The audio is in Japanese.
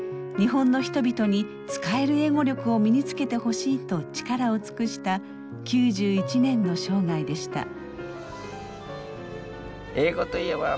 日本の人々に使える英語力を身につけてほしいと力を尽くした９１年の生涯でした。